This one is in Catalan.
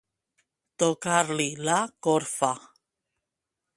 Tocar-li la corfa.